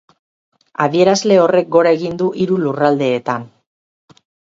Adierazle horrek gora egin du hiru lurraldeetan.